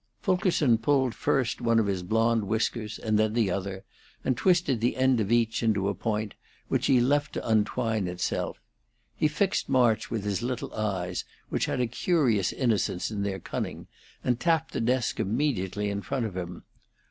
Fulkerson pulled first one of his blond whiskers and then the other, and twisted the end of each into a point, which he left to untwine itself. He fixed March with his little eyes, which had a curious innocence in their cunning, and tapped the desk immediately in front of him.